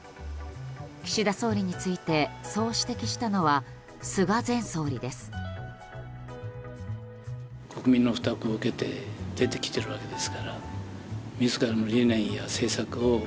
岸田総理についてそう指摘したのは菅前総理です。